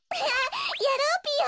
やろうぴよ！